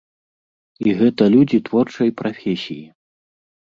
І гэта людзі творчай прафесіі!